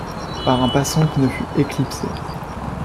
Pas un passant qui ne se fût éclipsé.